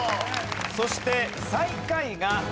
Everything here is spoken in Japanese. そして最下位がＱさま！！